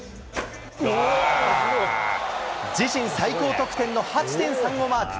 自身最高得点の８．３をマーク。